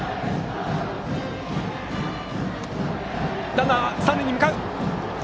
ランナー、三塁に向かう。